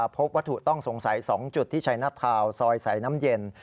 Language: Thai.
พบวัตถุต้องสงสัย๒จุดที่ชัยหน้าทาวน์ซอยสายน้ำเย็น